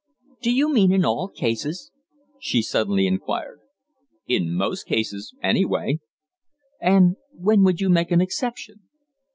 "Do you mean in all cases?" she suddenly inquired. "In most cases, anyway." "And when would you make an exception?"